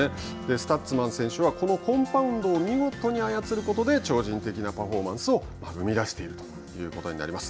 スタッツマン選手はこのコンパウンドを見事に操ることで超人的なパフォーマンスを生み出しているということになります。